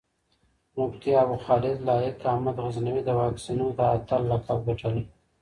مفتي ابوخالد لائق احمد غزنوي د واکسينو د اتَل لقب ګټلی